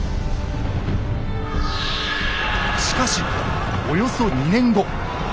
しかしおよそ２年後。